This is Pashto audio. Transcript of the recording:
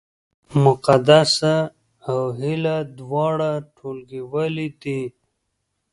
مقدسه او هیله دواړه ټولګیوالې دي